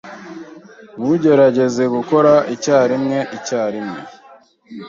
Ntugerageze gukora icyarimwe icyarimwe.